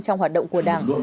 trong hoạt động của đảng